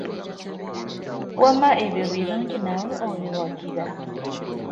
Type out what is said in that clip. Wamma ebyo birungi, naawe obiwagira?